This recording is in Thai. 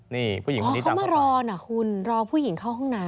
เขามารอนะคุณรอผู้หญิงเข้าห้องน้ำ